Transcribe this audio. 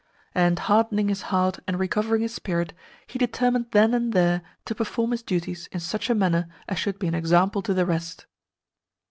And hardening his heart and recovering his spirit, he determined then and there to perform his duties in such a manner as should be an example to the rest.